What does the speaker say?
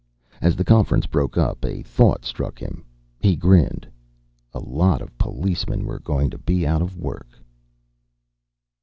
As the conference broke up, a thought struck him. He grinned. A lot of policemen were going to be out of work!